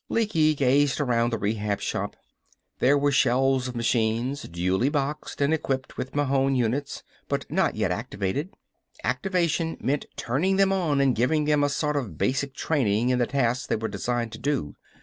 Lecky gazed around the Rehab Shop. There were shelves of machines, duly boxed and equipped with Mahon units, but not yet activated. Activation meant turning them on and giving them a sort of basic training in the tasks they were designed to do.